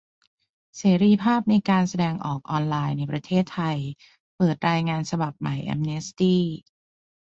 เสรีภาพในการแสดงออกออนไลน์ในประเทศไทย เปิดรายงานฉบับใหม่แอมเนสตี้